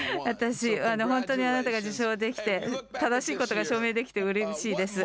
本当にあなたが受賞できて、正しいことが証明できてうれしいです。